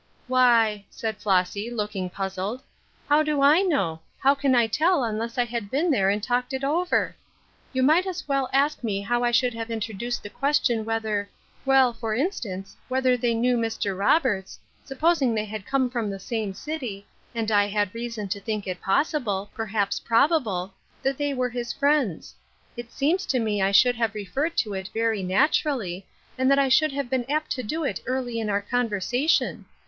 " Why," said Flossy, looking puzzled, " how do I know ? How can I tell unless I had been there and talked it over ? You might as well ask me how I should have introduced the ques tion whether — well, for instance, whether they knew Mr. Roberts, supposing they had come from the same city, and I had reason to think it possible — perhaps probable — that they were his friends. It seems to me I should have referred to it very naturally, and that I should have been apt to do it early in our conversation.